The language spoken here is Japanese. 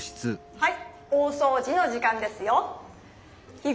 はい。